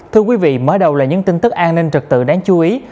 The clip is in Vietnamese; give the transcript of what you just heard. thưa quý vị mở đầu là những tin tức an ninh trật tự đáng chú ý